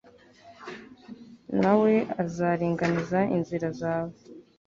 na we azaringaniza inzira zawe